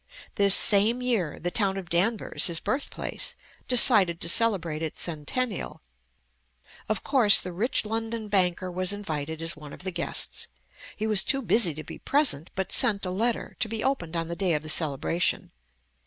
This same year, the town of Danvers, his birthplace, decided to celebrate its centennial. Of course the rich London banker was invited as one of the guests. He was too busy to be present, but sent a letter, to be opened on the day of the celebration.